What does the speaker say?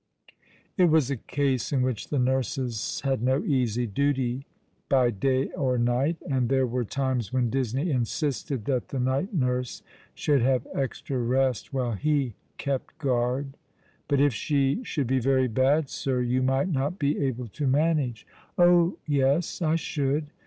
" It was a case in which the nurses had no easy duty by day or night ; and there were times when Disney insisted that the night nurse should have extra rest, while he kept guard. " But if she should be very bad, sir, you might not be able to manage." " Oh yes, I should.